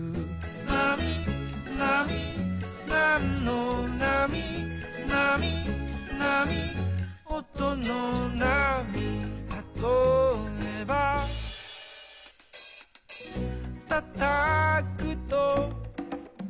「なみなみなんのなみ」「なみなみおとのなみ」「たとえば」「たたくと」